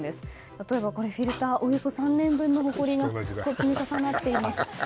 例えば、フィルターおよそ３年分のほこりが積み重なっています。